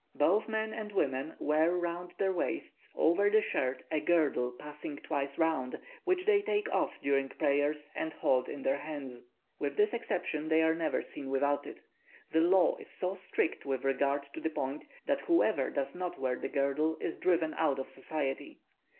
Both men and women wear round their waists, over the shirt, a girdle passing twice round, which they take off during prayers and hold in their hands; with this exception, they are never seen without it. The law is so strict with regard to the point, that whoever does not wear the girdle is driven out of society.